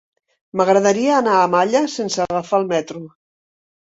M'agradaria anar a Malla sense agafar el metro.